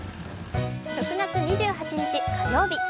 ６月２８日火曜日。